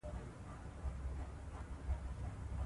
ازادي راډیو د طبیعي پېښې په اړه تفصیلي راپور چمتو کړی.